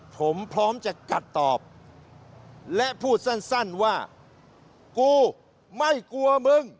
ผมพร้อมจะกัดตอบและพูดสั้นว่ากูไม่กลัวมึง